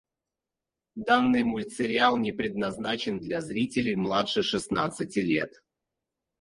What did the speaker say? Данный мультсериал не предназначен для зрителей младше шестнадцати лет.